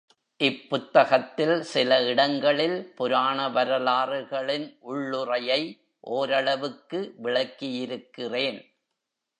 இப்புத்தகத்தில் சில இடங்களில் புராண வரலாறுகளின் உள்ளுறையை ஒரளவுக்கு விளக்கியிருக்கிறேன்.